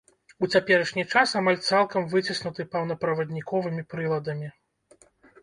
У цяперашні час амаль цалкам выціснуты паўправадніковымі прыладамі.